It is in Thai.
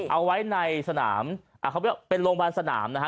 เอาไว้ในสนามเป็นโรงพยาบาลสนาม